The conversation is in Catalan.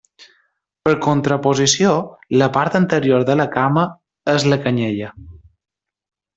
Per contraposició la part anterior de la cama és la canyella.